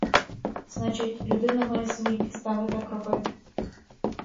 Значить, людина має свої підстави так робити.